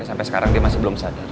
sampai sekarang dia masih belum sadar